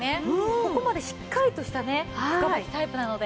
ここまでしっかりとしたね深ばきタイプなので。